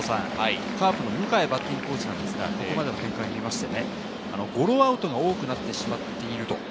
カープの迎バッティングコーチなんですが、ここまでの展開を見まして、アウトが多くなってしまっていると。